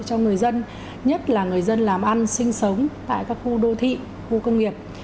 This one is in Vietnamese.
cho người dân nhất là người dân làm ăn sinh sống tại các khu đô thị khu công nghiệp